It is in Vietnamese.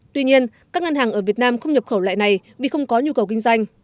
tuy nhiên các ngân hàng ở việt nam không nhập khẩu lại này vì không có nhu cầu kinh doanh